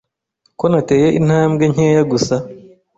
Ko nateye intambwe nkeya gusa